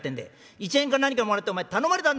１円か何かもらってお前頼まれたんだろ！」。